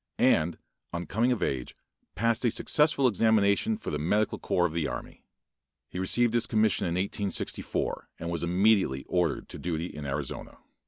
and, on coming of age passed a successful examination for the medical corps of the army. He received his commission in 1864, and was immediately ordered to duty in Arizona.